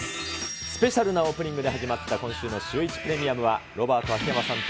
スペシャルなオープニングで始まった今週のシューイチプレミアムはロバート・秋山さんと、